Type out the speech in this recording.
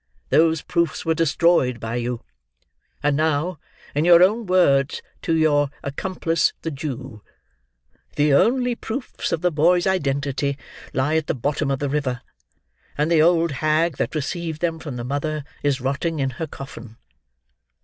Those proofs were destroyed by you, and now, in your own words to your accomplice the Jew, '_the only proofs of the boy's identity lie at the bottom of the river, and the old hag that received them from the mother is rotting in her coffin_.